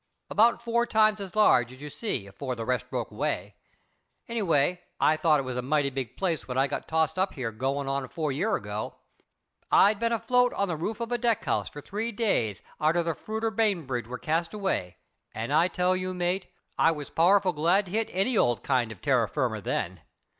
"About four times as large as you see afore the rest broke away. Anyway, I thought it a mighty big place when I got tossed up here goin' on four year ago. I'd been afloat on the roof of a deckhouse for three days arter the fruiter Bainbridge were cast away, and I tell you, mate, I was powerful glad to hit any old kind of terra firma then.